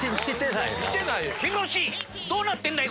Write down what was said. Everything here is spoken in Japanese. どうなってるの？